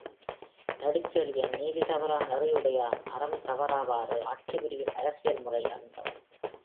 நெடுஞ்செழியன் நீதி தவறா நெறியுடையான் அறம் தவறாவாறு ஆட்சிபுரியும் அரசியல் முறை அறிந்தவன்.